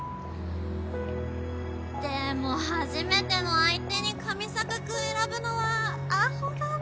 でも初めての相手に上坂君選ぶのはあほだな。